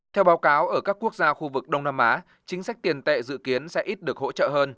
theo báo cáo ở các quốc gia khu vực đông nam á chính sách tiền tệ dự kiến sẽ ít được hỗ trợ hơn